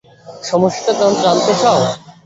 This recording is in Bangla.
সমস্যাটা জানতে চাও?